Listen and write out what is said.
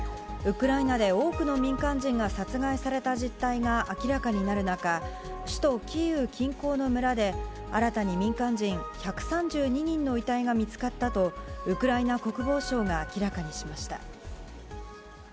ウクライナで多くの民間人が殺害された実態が明らかになる中、首都キーウ近郊の村で、新たに民間人１３２人の遺体が見つかったと、ウクライナ国防省が明らかにしました。